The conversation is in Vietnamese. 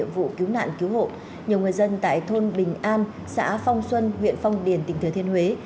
vụ cứu nạn cứu hộ nhiều người dân tại thôn bình an xã phong xuân huyện phong điền tỉnh thừa thiên huế